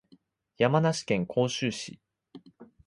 山梨県甲州市